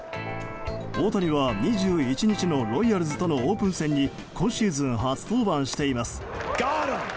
大谷は２１日のロイヤルズとのオープン戦に今シーズン初登板しています。